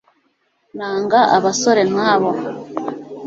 nanga abasore nkabo